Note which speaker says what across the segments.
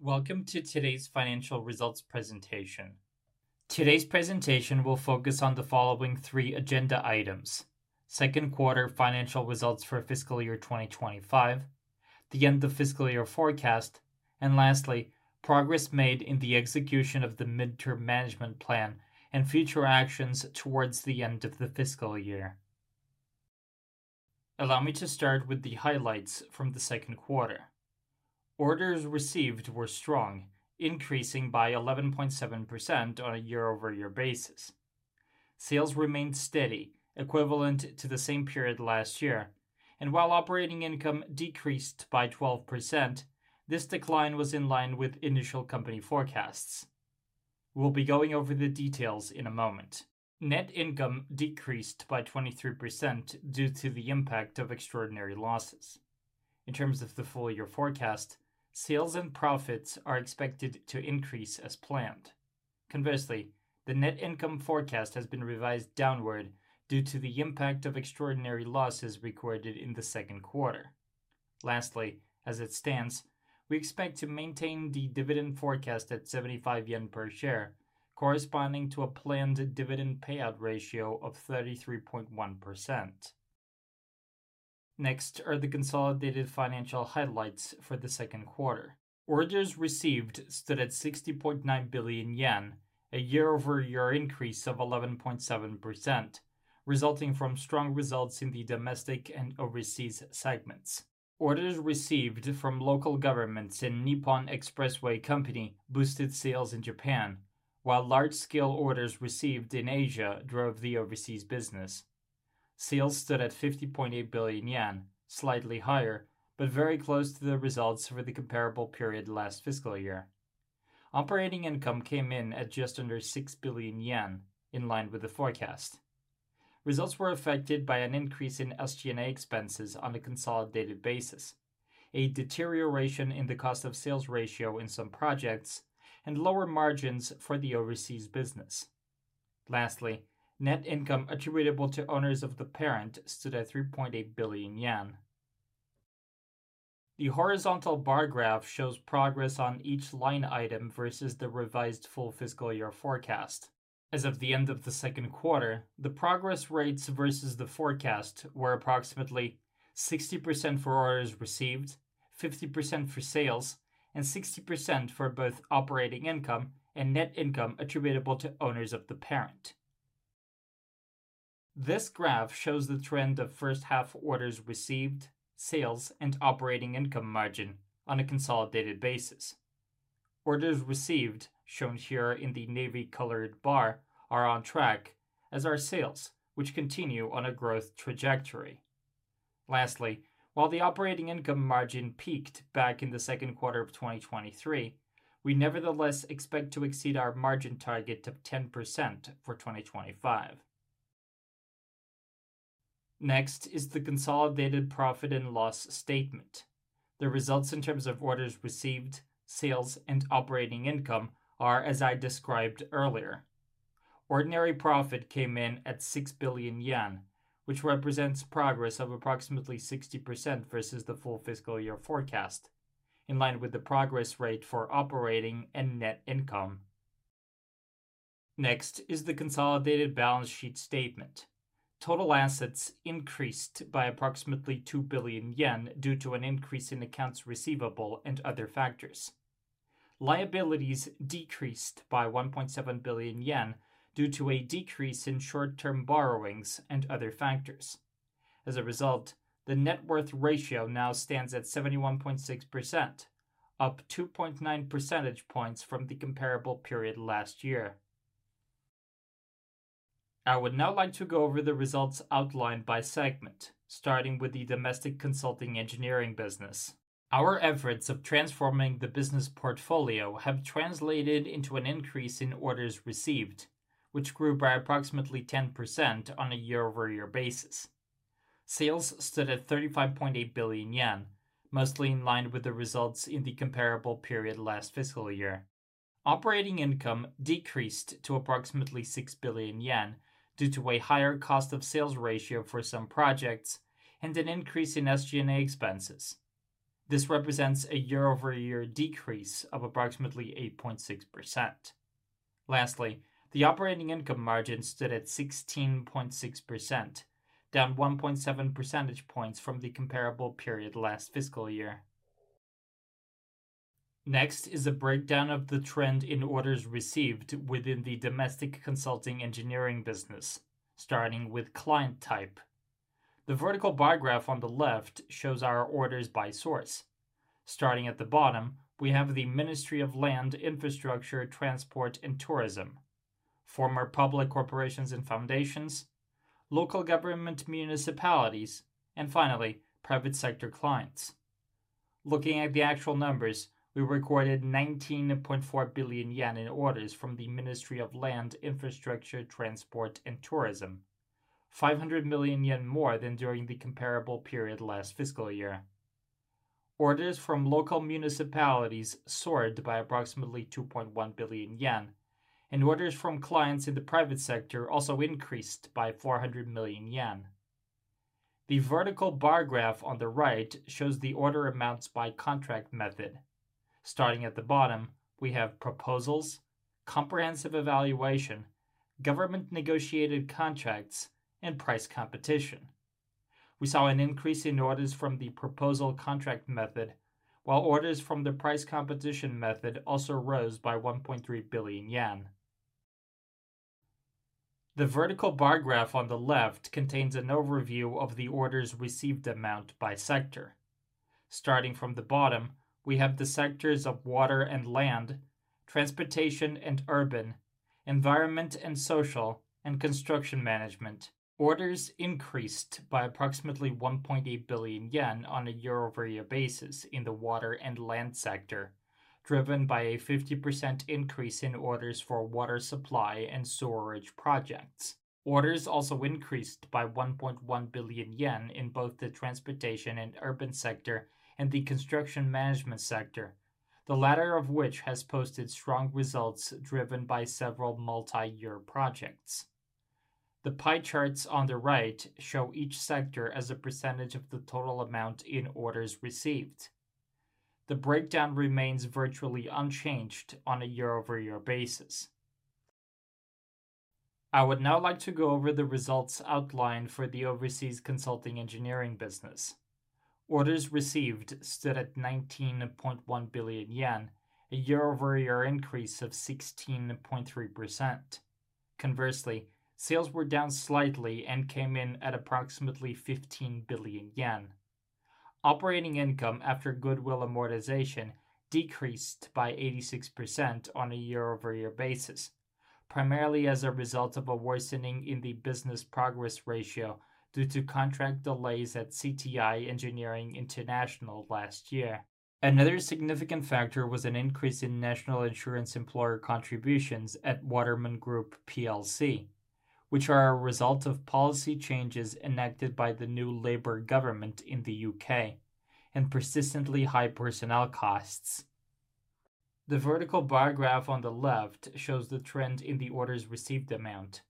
Speaker 1: Welcome to today's financial results presentation. Today's presentation will focus on the following three agenda items: second quarter financial results for fiscal year 2025, the end of fiscal year forecast, and lastly, progress made in the execution of the midterm management plan and future actions towards the end of the fiscal year. Allow me to start with the highlights from the second quarter. Orders received were strong, increasing by 11.7% on a year-over-year basis. Sales remained steady, equivalent to the same period last year, and while operating income decreased by 12%, this decline was in line with initial company forecasts. We'll be going over the details in a moment. Net income decreased by 23% due to the impact of extraordinary losses. In terms of the full year forecast, sales and profits are expected to increase as planned. Conversely, the net income forecast has been revised downward due to the impact of extraordinary losses recorded in the second quarter. Lastly, as it stands, we expect to maintain the dividend forecast at 75 yen per share, corresponding to a planned dividend payout ratio of 33.1%. Next are the consolidated financial highlights for the second quarter. Orders received stood at 60.9 billion yen, a year-over-year increase of 11.7%, resulting from strong results in the domestic and overseas segments. Orders received from local governments in Nippon Expressway Company boosted sales in Japan, while large-scale orders received in Asia drove the overseas business. Sales stood at 50.8 billion yen, slightly higher, but very close to the results for the comparable period last fiscal year. Operating income came in at just under 6 billion yen, in line with the forecast. Results were affected by an increase in SG&A expenses on a consolidated basis, a deterioration in the cost of sales ratio in some projects, and lower margins for the overseas business. Lastly, net income attributable to owners of the parent stood at 3.8 billion yen. The horizontal bar graph shows progress on each line item versus the revised full fiscal year forecast. As of the end of the second quarter, the progress rates versus the forecast were approximately 60% for orders received, 50% for sales, and 60% for both operating income and net income attributable to owners of the parent. This graph shows the trend of first half orders received, sales, and operating income margin on a consolidated basis. Orders received, shown here in the navy-colored bar, are on track, as are sales, which continue on a growth trajectory. Lastly, while the operating income margin peaked back in the second quarter of 2023, we nevertheless expect to exceed our margin target of 10% for 2025. Next is the consolidated profit and loss statement. The results in terms of orders received, sales, and operating income are as I described earlier. Ordinary profit came in at 6 billion yen, which represents progress of approximately 60% versus the full fiscal year forecast, in line with the progress rate for operating and net income. Next is the consolidated balance sheet statement. Total assets increased by approximately 2 billion yen due to an increase in accounts receivable and other factors. Liabilities decreased by 1.7 billion yen due to a decrease in short-term borrowings and other factors. As a result, the net worth ratio now stands at 71.6%, up 2.9 percentage points from the comparable period last year. I would now like to go over the results outlined by segment, starting with the domestic consulting engineering business. Our efforts of transforming the business portfolio have translated into an increase in orders received, which grew by approximately 10% on a year-over-year basis. Sales stood at 35.8 billion yen, mostly in line with the results in the comparable period last fiscal year. Operating income decreased to approximately 6 billion yen due to a higher cost of sales ratio for some projects and an increase in SG&A expenses. This represents a year-over-year decrease of approximately 8.6%. The operating income margin stood at 16.6%, down 1.7 percentage points from the comparable period last fiscal year. A breakdown of the trend in orders received within the domestic consulting engineering business, starting with client type. The vertical bar graph on the left shows our orders by source. Starting at the bottom, we have the Ministry of Land, Infrastructure, Transport and Tourism, former public corporations and foundations, local government municipalities, and finally, private sector clients. Looking at the actual numbers, we recorded 19.4 billion yen in orders from the Ministry of Land, Infrastructure, Transport and Tourism, 500 million yen more than during the comparable period last fiscal year. Orders from local municipalities soared by approximately 2.1 billion yen. Orders from clients in the private sector also increased by 400 million yen. The vertical bar graph on the right shows the order amounts by contract method. Starting at the bottom, we have proposals, comprehensive evaluation, government negotiated contracts, and price competition. We saw an increase in orders from the proposal contract method, while orders from the price competition method also rose by 1.3 billion yen. The vertical bar graph on the left contains an overview of the orders received amount by sector. Starting from the bottom, we have the sectors of water and land, transportation and urban, environment and social, and construction management. Orders increased by approximately 1.8 billion yen on a year-over-year basis in the water and land sector, driven by a 50% increase in orders for water supply and sewerage projects. Orders also increased by 1.1 billion yen in both the transportation and urban sector and the construction management sector, the latter of which has posted strong results driven by several multi-year projects. The pie charts on the right show each sector as a percentage of the total amount in orders received. The breakdown remains virtually unchanged on a year-over-year basis. I would now like to go over the results outlined for the overseas consulting engineering business. Orders received stood at 19.1 billion yen, a year-over-year increase of 16.3%. Conversely, sales were down slightly and came in at approximately 15 billion yen. Operating income after goodwill amortization decreased by 86% on a year-over-year basis, primarily as a result of a worsening in the business progress ratio due to contract delays at CTI Engineering International last year. Another significant factor was an increase in national insurance employer contributions at Waterman Group plc, which are a result of policy changes enacted by the new Labour government in the U.K. and persistently high personnel costs. The vertical bar graph on the left shows the trend in the orders received amount.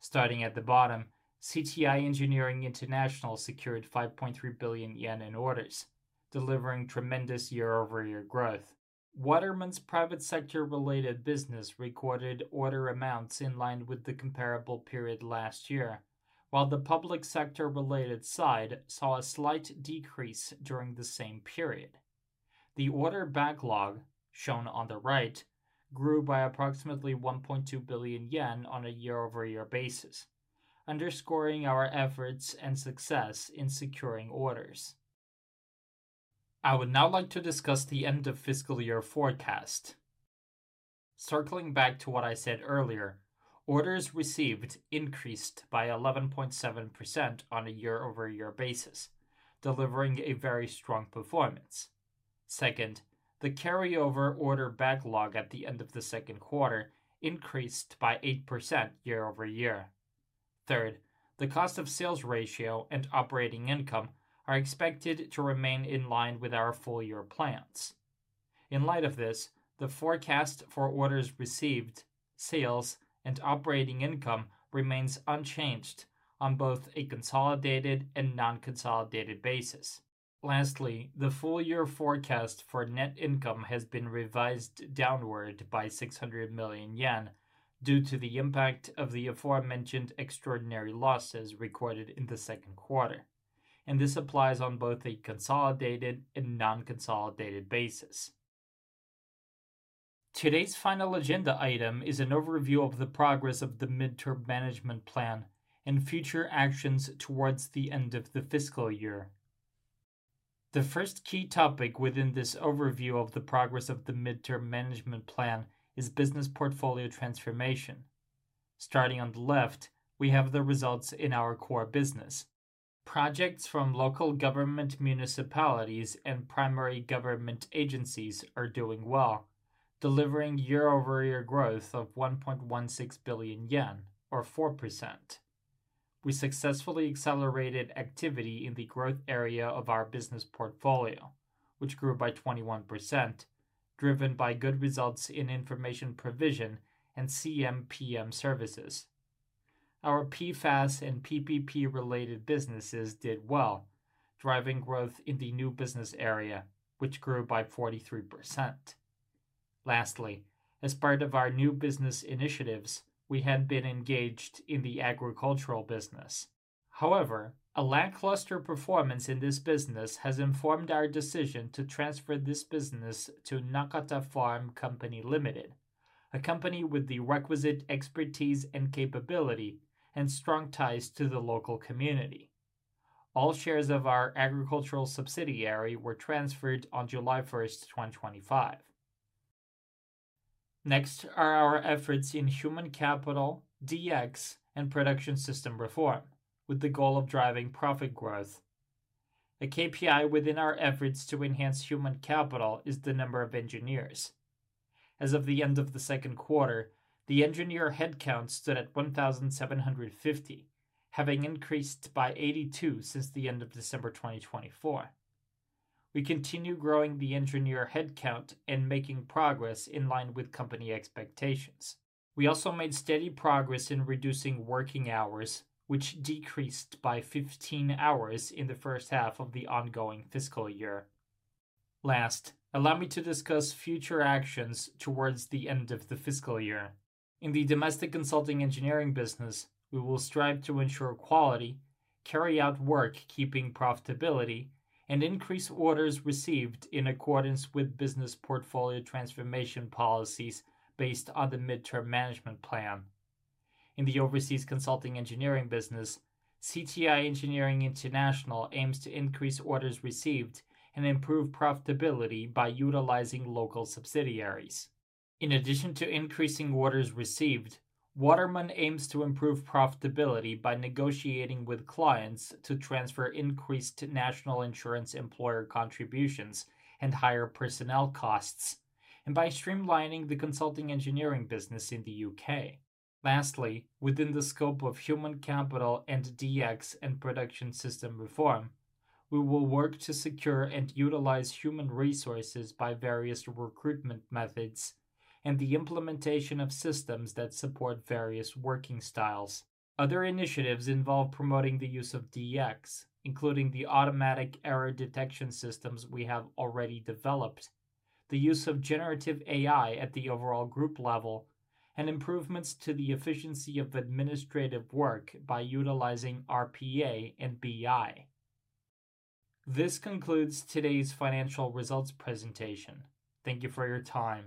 Speaker 1: Starting at the bottom, CTI Engineering International secured 5.3 billion yen in orders, delivering tremendous year-over-year growth. Waterman's private sector-related business recorded order amounts in line with the comparable period last year, while the public sector-related side saw a slight decrease during the same period. The order backlog, shown on the right, grew by approximately 1.2 billion yen on a year-over-year basis, underscoring our efforts and success in securing orders. I would now like to discuss the end of fiscal year forecast. Circling back to what I said earlier, orders received increased by 11.7% on a year-over-year basis, delivering a very strong performance. Second, the carryover order backlog at the end of the second quarter increased by 8% year-over-year. Third, the cost of sales ratio and operating income are expected to remain in line with our full year plans. In light of this, the forecast for orders received, sales, and operating income remains unchanged on both a consolidated and non-consolidated basis. Lastly, the full year forecast for net income has been revised downward by 600 million yen due to the impact of the aforementioned extraordinary losses recorded in the second quarter. This applies on both a consolidated and non-consolidated basis. Today's final agenda item is an overview of the progress of the midterm management plan and future actions towards the end of the fiscal year. The first key topic within this overview of the progress of the midterm management plan is business portfolio transformation. Starting on the left, we have the results in our core business. Projects from local government municipalities and primary government agencies are doing well, delivering year-over-year growth of 1.16 billion yen, or 4%. We successfully accelerated activity in the growth area of our business portfolio, which grew by 21%, driven by good results in information provision and CMPM services. Our PFAS and PPP-related businesses did well, driving growth in the new business area, which grew by 43%. Lastly, as part of our new business initiatives, we had been engaged in the agricultural business. However, a lackluster performance in this business has informed our decision to transfer this business to Nakata Farm Company Limited, a company with the requisite expertise and capability and strong ties to the local community. All shares of our agricultural subsidiary were transferred on July 1st, 2025. Next are our efforts in human capital, DX, and production system reform, with the goal of driving profit growth. A KPI within our efforts to enhance human capital is the number of engineers. As of the end of the second quarter, the engineer headcount stood at 1,750, having increased by 82 since the end of December 2024. We continue growing the engineer headcount and making progress in line with company expectations. We also made steady progress in reducing working hours, which decreased by 15 hours in the first half of the ongoing fiscal year. Last, allow me to discuss future actions towards the end of the fiscal year. In the domestic consulting engineering business, we will strive to ensure quality, carry out work keeping profitability, and increase orders received in accordance with business portfolio transformation policies based on the midterm management plan. In the overseas consulting engineering business, CTI Engineering International aims to increase orders received and improve profitability by utilizing local subsidiaries. In addition to increasing orders received, Waterman aims to improve profitability by negotiating with clients to transfer increased national insurance employer contributions and higher personnel costs, and by streamlining the consulting engineering business in the U.K. Lastly, within the scope of human capital and DX and production system reform, we will work to secure and utilize human resources by various recruitment methods and the implementation of systems that support various working styles. Other initiatives involve promoting the use of DX, including the automatic error detection systems we have already developed, the use of Generative AI at the overall group level, and improvements to the efficiency of administrative work by utilizing RPA and BI. This concludes today's financial results presentation. Thank you for your time.